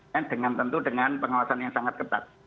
dan dengan tentu dengan pengawasan yang sangat ketat